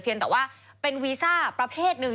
เพียงแต่ว่าเป็นวีซ่าประเทศนึง